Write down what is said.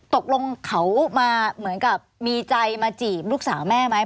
ตกลงเขามาเหมือนกับมีใจมาจีบลูกสาวแม่ไหม